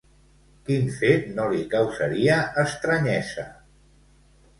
Quin fet no li causaria estranyesa?